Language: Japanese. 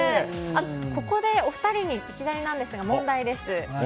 ここでお二人にいきなりなんですが問題です。